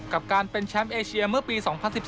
กับการเป็นแชมป์เอเชียเมื่อปี๒๐๑๘